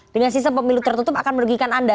dengan sistem pemilu tertutup akan merugikan anda